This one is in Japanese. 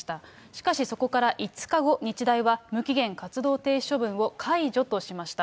しかしそこから５日後、日大は無期限活動停止処分を解除としました。